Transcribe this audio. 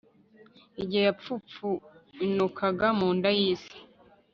igihe yapfupfunukaga mu nda y'isi